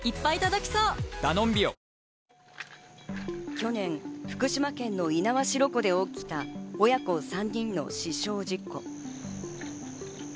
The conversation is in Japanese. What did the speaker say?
去年、福島県の猪苗代湖で起きた親子３人の死傷事故。